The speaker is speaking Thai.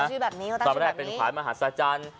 ต่อไปแรกเป็นขวานมหาศาลจันทร์